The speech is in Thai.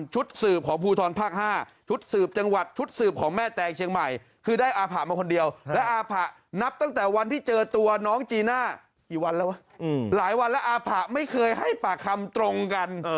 หลายวันแล้วอาผะไม่เคยให้ปากคำตรงกัน